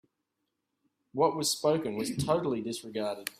What was spoken was totally disregarded.